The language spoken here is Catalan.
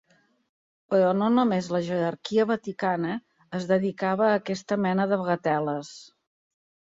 Però no només la jerarquia vaticana es dedicava a aquesta mena de bagatel·les.